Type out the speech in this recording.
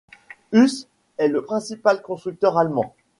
Huss est le principal constructeur allemand.